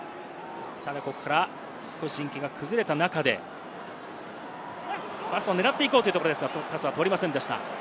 ただここから陣形が崩れた中で、パスを狙っていこうというところですが、パスは通りませんでした。